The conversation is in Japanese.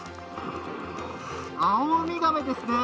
アオウミガメですね。